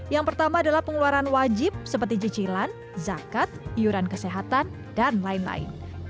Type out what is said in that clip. yang pertama adalah pengeluaran wajib seperti cicilan zakat iuran kesehatan dan lain lain